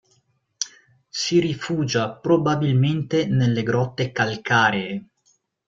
Si rifugia probabilmente nelle grotte calcaree.